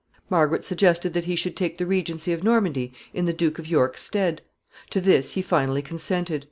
Margaret suggested that he should take the regency of Normandy in the Duke of York's stead. To this he finally consented.